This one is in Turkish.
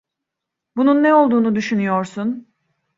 Bunun ne olduğunu düşünüyorsun?